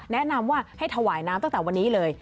แนะนำว่าให้ถวายน้ำตั้งแต่วันนี้เลย